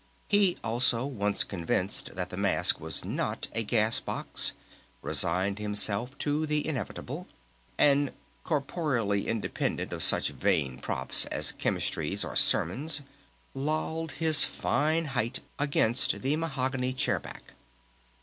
He also, once convinced that the mask was not a gas box, resigned himself to the inevitable, and corporeally independent of such vain props as Chemistries or Sermons, lolled his fine height against the mahogany chair back.